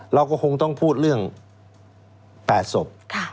เราก็คงต้องพูดเรื่อง๘ศพ